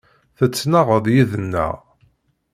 Tettnaɣeḍ yid-neɣ.